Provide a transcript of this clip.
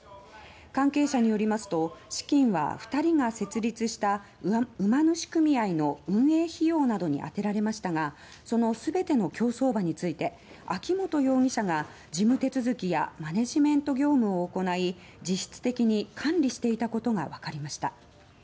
関係者によりますと資金は２人が設立した馬主組合の運営費用などに充てられましたがその全ての競走馬について秋本容疑者が事務手続きやマネジメント業務を行い実質的に管理していたことがわかりました。